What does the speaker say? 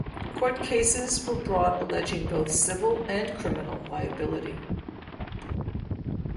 Court cases were brought alleging both civil and criminal liability.